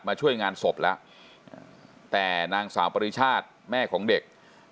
ช่วยงานศพแล้วแต่นางสาวปริชาติแม่ของเด็ก